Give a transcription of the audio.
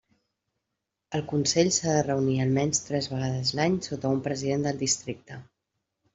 El consell s'ha de reunir almenys tres vegades l'any sota un president del Districte.